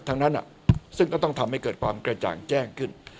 ทั้งนั้นซึ่งก็ต้องทำให้เกิดความกระจ่างแจ้งขึ้น